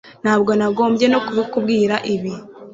ntabwo nagombye no kukubwira ibi